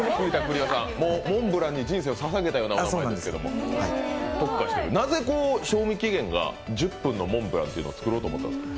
モンブランに人生を捧げたような名前なんですけど、なぜ、賞味期限が１０分のモンブランを作ろうと思ったんですか